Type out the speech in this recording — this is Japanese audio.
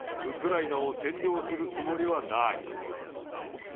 ウクライナを占領するつもりはない。